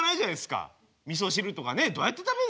みそ汁とかねどうやって食べんすか皆さん。